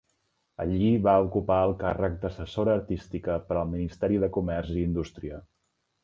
Allí va ocupar el càrrec d'assessora artística per al Ministeri de Comerç i Indústria.